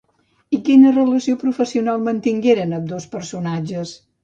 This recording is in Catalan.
I quina relació professional mantingueren ambdós personatges?